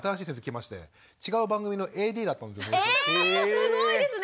すごいですね。